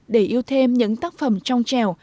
để yêu thêm những tác phẩm trong trèo